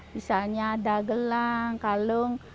misalnya ada gelang kalung